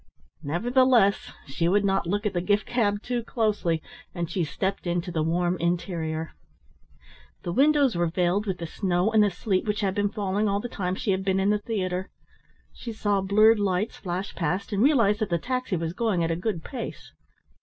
Nevertheless, she would not look at the gift cab too closely, and she stepped into the warm interior. The windows were veiled with the snow and the sleet which had been falling all the time she had been in the theatre. She saw blurred lights flash past, and realised that the taxi was going at a good pace.